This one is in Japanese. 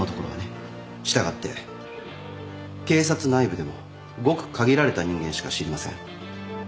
従って警察内部でもごく限られた人間しか知りません。